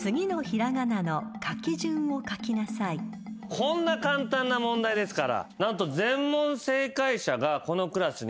こんな簡単な問題ですから。